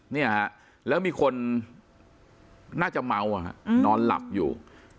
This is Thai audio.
เนี่ยฮะแล้วมีคนน่าจะเมานอนหลับอยู่